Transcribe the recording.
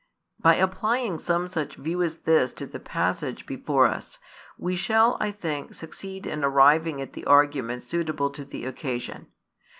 By applying some such view as this to the passage before us, we shall I think succeed in arriving at the argument suitable to the occasion.